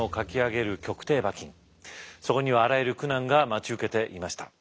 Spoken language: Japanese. そこにはあらゆる苦難が待ち受けていました。